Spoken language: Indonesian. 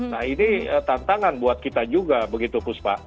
nah ini tantangan buat kita juga begitu puspa